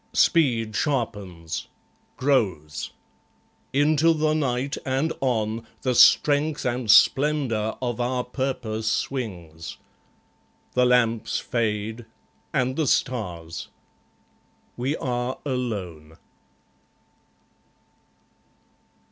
Speed sharpens; grows. Into the night, and on, The strength and splendour of our purpose swings. The lamps fade; and the stars. We are alone.